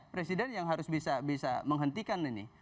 presiden yang harus bisa menghentikan ini